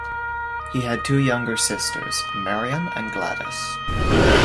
He had two younger sisters, Marion and Gladys.